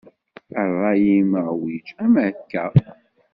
A rray-im uɛwiǧ am akka.